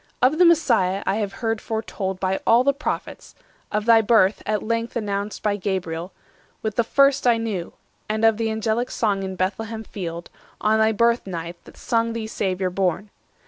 Of the Messiah I have heard foretold By all the Prophets; of thy birth, at length Announced by Gabriel, with the first I knew, And of the angelic song in Bethlehem field, On thy birth night, that sung thee Saviour born.